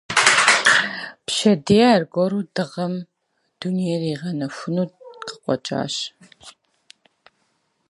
А завтра снова мир залить вставало солнце ало.